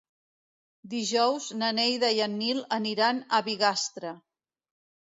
Dijous na Neida i en Nil aniran a Bigastre.